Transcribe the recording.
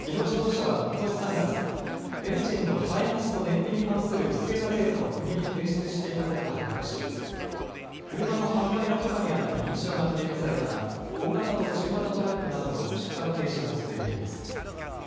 日野自動車はことし３月、エンジンの排ガスと燃費に関する不正なデータを国に提出していたことが発覚し車の販売の許可にあたる認証が取り消された大型と中型トラックなどの出荷の停止が続いています。